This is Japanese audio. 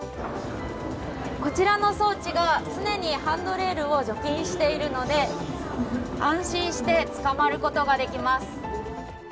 こちらの装置が常にハンドレールを除菌しているので安心してつかまることができます。